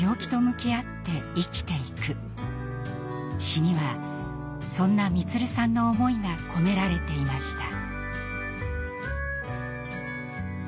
詩にはそんな満さんの思いが込められていました。